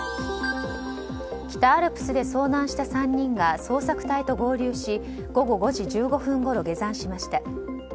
北アルプスで遭難した３人が捜索隊と合流し午後５時１５分ごろ下山しました。